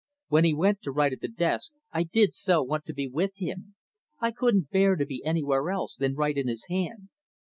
] When he went to write at the desk I did so want to be with him! I couldn't bear to be anywhere else than right in his hand.